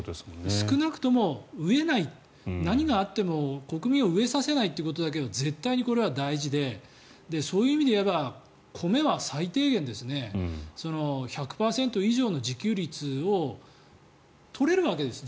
少なくとも飢えない何があっても国民を飢えさせないということだけは絶対にこれは大事でそういう意味で言えば米は最低限１００％以上の自給率を取れるわけです。